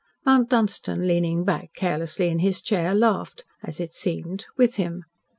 Mount Dunstan leaning back carelessly in his chair, laughed as it seemed with him.